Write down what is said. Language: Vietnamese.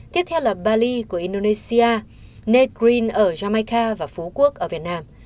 tiếp theo là bali của indonesia ned green ở jamaica và phú quốc ở việt nam